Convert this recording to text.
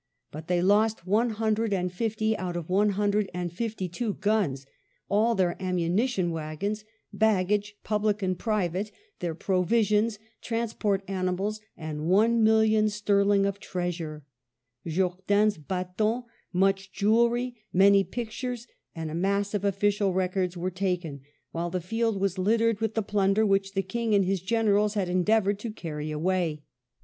But they lost one hundred and fifty out of one hundred and fifty two guns; all their ammunition waggons, baggage public and private, their provisions, transport animals, and one million sterling of treasure; Jourdan's baton, much jewellery, many pictures, and a mass of official records, were taken, while the field was littered with the plunder which the King and his Generals had endeavoured to carry away.